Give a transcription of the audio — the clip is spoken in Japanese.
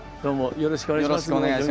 よろしくお願いします。